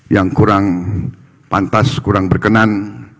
yang kurang pantas kurang berkenan